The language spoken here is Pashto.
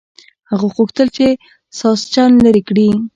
هغه غوښتل چې ساسچن لرې کړي.